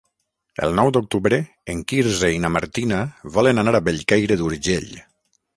El nou d'octubre en Quirze i na Martina volen anar a Bellcaire d'Urgell.